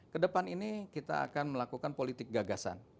kedepan ini kita akan melakukan politik gagasan